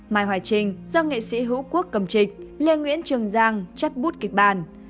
mai hoài trinh do nghệ sĩ hữu quốc cầm trịch lê nguyễn trường giang chắt bút kịch bàn